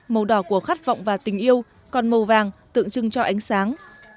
màu đỏ của khát vọng và tình yêu còn màu vàng tượng trưng cho ánh sáng